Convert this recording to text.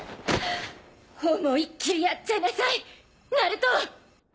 思いっきりやっちゃいなさいナルト！